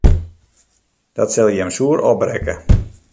Dat sil jim soer opbrekke.